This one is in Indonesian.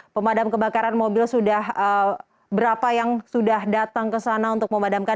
pemadam kebakaran mobil sudah berapa yang sudah datang ke sana untuk memadamkan